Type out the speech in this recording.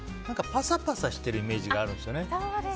パサパサしてるイメージがあるんですよね。